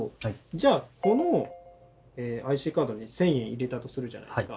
じゃあこのＩＣカードに１，０００円入れたとするじゃないですか。